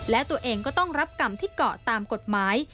และตัวเองก็ต้องรับกรรมที่เกาะตามกฎหมาย